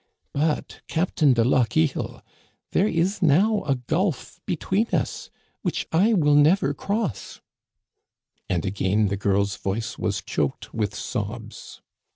But, Cap tain de Lochiel, there is now a gulf between us which I will never cross." And again the girl's voice was choked with sobs.